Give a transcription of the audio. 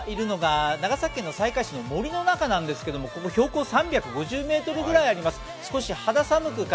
今、いるのが長崎県西海市の森の中なんですがここ標高３５０ｍぐらいあります。